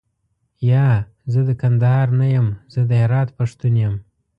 یا، زه د کندهار نه یم زه د هرات پښتون یم.